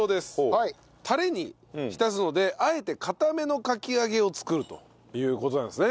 タレに浸すのであえて硬めのかき揚げを作るという事なんですね。